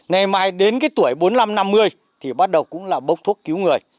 ngày mai đến cái tuổi bốn mươi năm năm mươi thì bắt đầu cũng là bốc thuốc cứu người